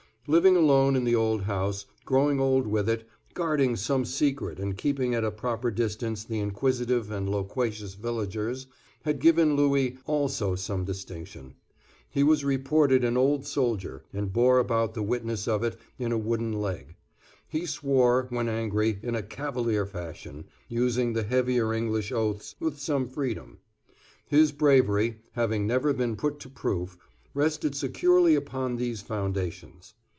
Living alone in the old house, growing old with it, guarding some secret and keeping at a proper distance the inquisitive and loquacious villagers, had given Louis also some distinction. He was reported an old soldier, and bore about the witness of it in a wooden leg. He swore, when angry, in a cavalier fashion, using the heavier English oaths with some freedom. His bravery, having never been put to proof, rested securely upon these foundations.